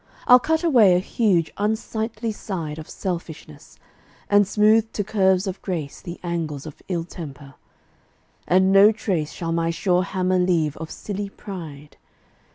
I'll cut away a huge, unsightly side Of selfishness, and smooth to curves of grace The angles of ill temper. And no trace Shall my sure hammer leave of silly pride.